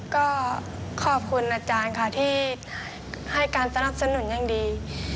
ก็ขอบคุณอาจารย์ค่ะที่ให้การสนับสนุนอย่างดี